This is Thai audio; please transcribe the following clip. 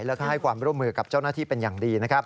แล้วก็ให้ความร่วมมือกับเจ้าหน้าที่เป็นอย่างดีนะครับ